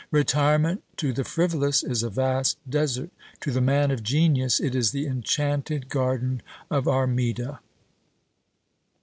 Retirement to the frivolous is a vast desert, to the man of genius it is the enchanted garden of Armida.